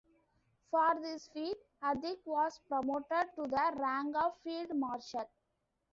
For this feat, Hadik was promoted to the rank of Field Marshal.